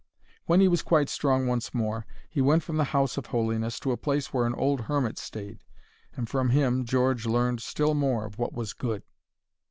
When he was quite strong once more, he went from the House of Holiness to a place where an old hermit stayed, and from him George learned still more of what was good.